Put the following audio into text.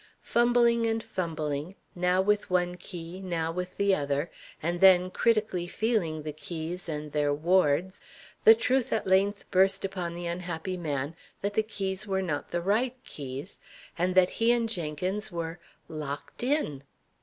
Fumbling and fumbling, now with one key, now with the other, and then critically feeling the keys and their wards, the truth at length burst upon the unhappy man that the keys were not the right keys, and that he and Jenkins were locked in!